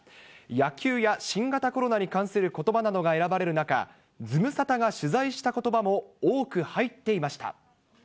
野球や新型コロナに関することばなどが選ばれる中、ズムサタが取材したことばも多く入っていました。